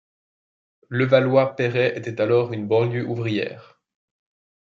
Levallois-Perret était alors une banlieue ouvrière.